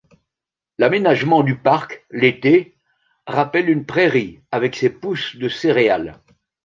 L'aménagement du parc, l'été, rappelle une prairie avec ses pousses de céréales.